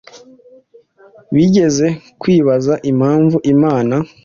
bigeze kwibaza impamvu Imana